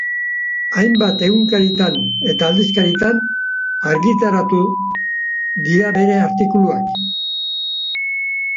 Hainbat egunkaritan eta aldizkaritan argitaratu dirabere artikuluak.